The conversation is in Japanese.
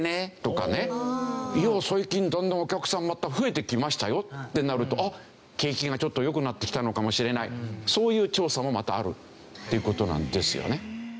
最近だんだんお客さんまた増えてきましたよってなるとあっ景気がちょっと良くなってきたのかもしれないそういう調査もまたあるっていう事なんですよね。